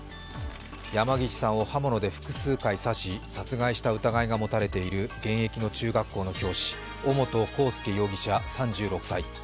山岸さんを刃物で複数回刺し殺害した疑いが持たれている現役の中学校の教師・尾本幸祐容疑者３６歳。